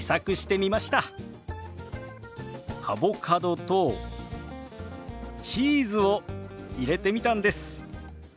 アボカドとチーズを入れてみたんです。